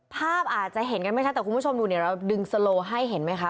ภาพอาจจะเห็นกันไม่ชัดแต่คุณผู้ชมดูเนี่ยเราดึงสโลให้เห็นไหมคะ